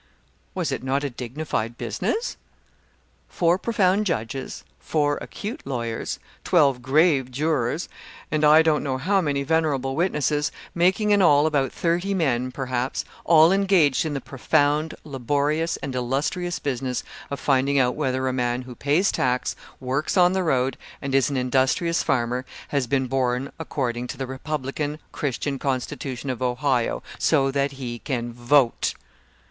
Was it not a dignified business? Four profound judges, four acute lawyers, twelve grave jurors, and I don't know how many venerable witnesses, making in all about thirty men, perhaps, all engaged in the profound, laborious, and illustrious business, of finding out whether a man who pays tax, works on the road, and is an industrious farmer, has been born according to the republican, Christian constitution of Ohio so that he can vote!